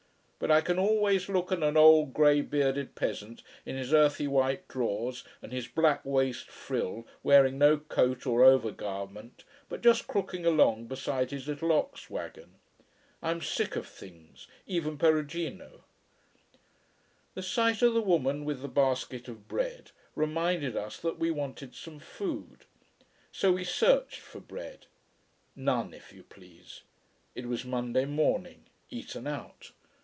But I can always look at an old, grey bearded peasant in his earthy white drawers and his black waist frill, wearing no coat or over garment, but just crooking along beside his little ox wagon. I am sick of "things," even Perugino. The sight of the woman with the basket of bread reminded us that we wanted some food. So we searched for bread. None, if you please. It was Monday morning, eaten out.